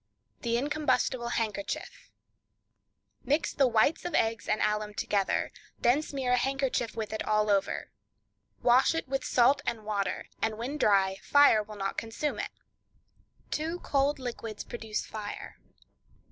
The Incombustible Handkerchief.—Mix the whites of eggs and alum together; then smear a handkerchief with it all over. Wash it in salt and water, and when dry fire will not consume it. Two Cold Liquids Produce Fire.